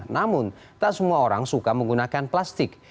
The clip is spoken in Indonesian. namun tak semua orang suka menggunakan plastik